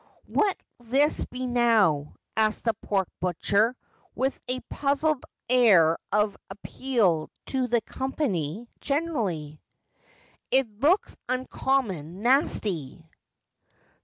'What'll this be now?' asked the pork butcher, with a puzzled air of appeal to the company generally. 'It looks uncommon nasty.'